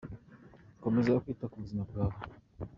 Komeza kwita ku buzima bwawe.